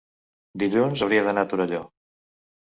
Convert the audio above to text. dilluns hauria d'anar a Torelló.